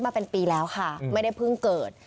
มาเป็นปีแล้วค่ะไม่ได้เพิ่งเกิด